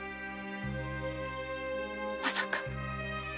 まさか。